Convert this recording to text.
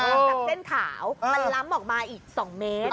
จากเส้นขาวมันล้ำออกมาอีก๒เมตร